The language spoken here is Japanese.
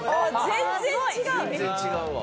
全然違うわ。